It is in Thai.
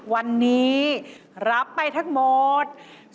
วันนี้รับไปทั้งหมด